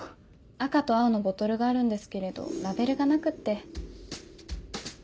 赤と青のボトルがあるんですけれどラベルがなくって。